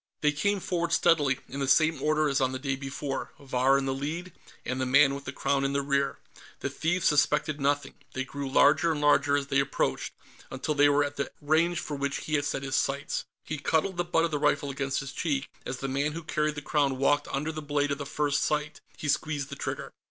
They came forward steadily, in the same order as on the day before, Vahr in the lead and the man with the Crown in the rear. The thieves suspected nothing; they grew larger and larger as they approached, until they were at the range for which he had set his sights. He cuddled the butt of the rifle against his cheek. As the man who carried the Crown walked under the blade of the front sight, he squeezed the trigger.